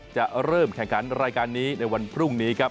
จะเริ่มแข่งขันรายการนี้ในวันพรุ่งนี้ครับ